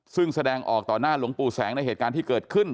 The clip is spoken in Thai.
ซึ่งแสดงออกต่อหน้าหลวงปู่แสงในเหตุการณ์ที่เกิดขึ้น